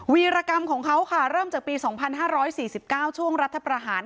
วีรกรรมของเขาค่ะเริ่มจากปี๒๕๔๙ช่วงรัฐประหาร